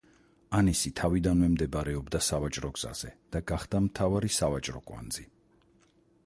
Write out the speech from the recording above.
ანისი თავიდანვე მდებარეობდა სავაჭრო გზაზე და გახდა მთავარი სავაჭრო კვანძი.